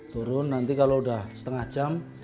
turun nanti kalau udah setengah jam